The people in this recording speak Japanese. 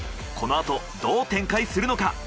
このあとどう展開するのか？